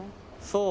そう。